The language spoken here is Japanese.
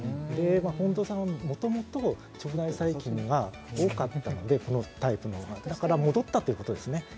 近藤さんは、もともと腸内細菌が多かったのでこう増えたですから戻ったということですね。